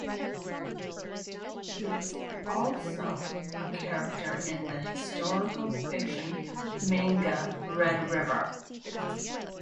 He is also a character in the historical fiction manga "Red River".